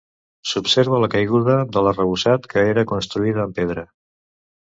S'observa la caiguda de l'arrebossat que era construïda en pedra.